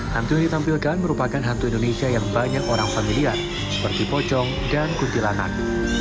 hantu yang ditampilkan merupakan hantu indonesia yang banyak orang familiar seperti pocong dan kuntilanak